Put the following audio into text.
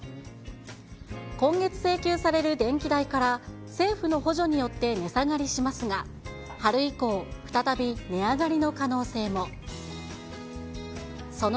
今月請求される電気代から、政府の補助によって値下がりしますが、春以降、再び値上がりの可能性も。